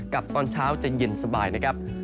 กลับตอนเช้าจะหยินสบายนะครับ